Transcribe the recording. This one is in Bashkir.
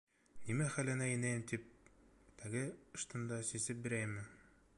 — Нимә, хәленә инәйем тип к...тәге ыштанды сисеп бирәйемме?